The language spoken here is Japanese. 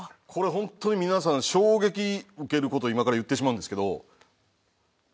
これほんとに皆さん衝撃受けること今から言ってしまうんですけど。